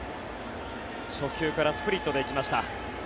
初球からスプリットで行きました。